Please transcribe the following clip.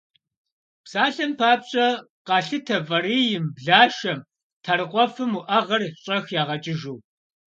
Псалъэм папщӏэ, къалъытэ фӏарийм, блашэм, тхьэрыкъуэфым уӏэгъэр щӏэх ягъэкӏыжу.